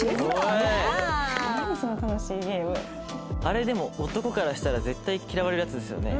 あれでも男からしたら絶対嫌われるやつですよね